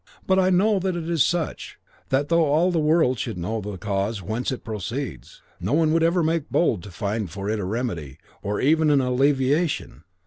But I know that it is such, that though all the world should know the cause whence it proceeds, no one ever would make bold to find for it a remedy, or even an alleviation.